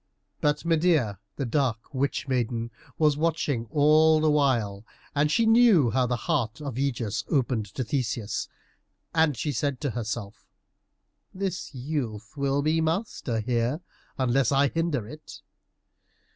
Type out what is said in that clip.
But Medeia, the dark witch maiden, was watching all the while, and she saw how the heart of Ægeus opened to Theseus, and she said to herself, "This youth will be master here, unless I hinder it."